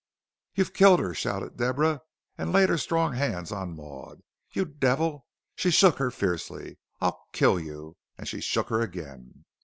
"You've killed her," shouted Deborah, and laid her strong hands on Maud, "you devil!" She shook her fiercely. "I'll kill you," and she shook her again.